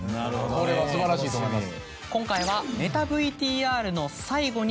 これは素晴らしいと思います。